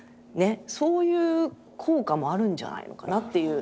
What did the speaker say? そういう効果もあるんじゃないのかなっていう。